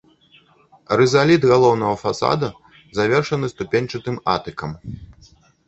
Рызаліт галоўнага фасада завершаны ступеньчатым атыкам.